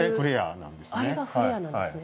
あれがフレアなんですね。